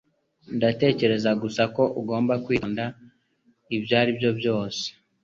Ndatekereza gusa ko ugomba kwitonda, ibyo aribyo byose.